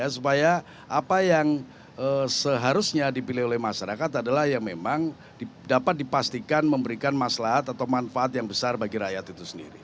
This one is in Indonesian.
supaya apa yang seharusnya dipilih oleh masyarakat adalah yang memang dapat dipastikan memberikan maslahat atau manfaat yang besar bagi rakyat itu sendiri